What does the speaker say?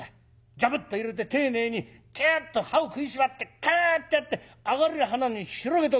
ジャブッと入れて丁寧にキュッと歯を食いしばってクーッてやって上がりはなに広げとく。